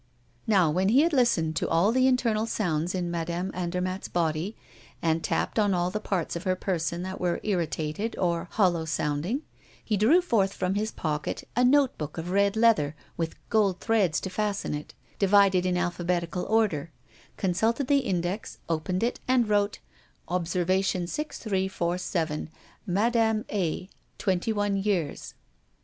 Now, when he had listened to all the internal sounds in Madame Andermatt's body, and tapped on all the parts of her person that were irritated or hollow sounding, he drew forth from his pocket a notebook of red leather with gold threads to fasten it, divided in alphabetical order, consulted the index, opened it, and wrote: "Observation 6347. Madame A , 21 years."